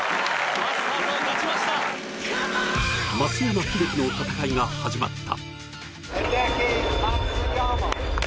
松山英樹の戦いが始まった。